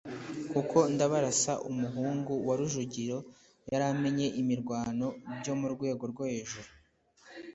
kuko Ndabarasa umuhungu wa Rujugira yari amenyereye imirwano byo mu rwego rwo hejuru